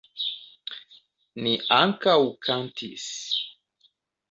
Ni ankaŭ kantis.